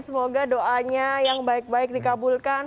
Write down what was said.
semoga doanya yang baik baik dikabulkan